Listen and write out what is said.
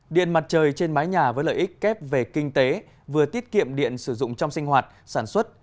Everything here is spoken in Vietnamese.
điện mặt trời trên mái nhà với lợi ích kép về kinh tế vừa tiết kiệm điện sử dụng trong sinh hoạt sản xuất